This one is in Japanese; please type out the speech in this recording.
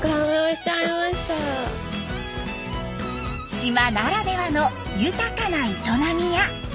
島ならではの豊かな営みや。